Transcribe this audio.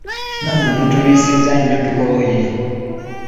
Nammwe mutulwisizza nnyo tukooye.